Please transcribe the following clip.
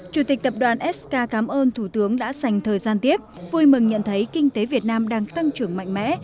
chủ tịch tập đoàn sk cảm ơn thủ tướng đã dành thời gian tiếp vui mừng nhận thấy kinh tế việt nam đang tăng trưởng mạnh mẽ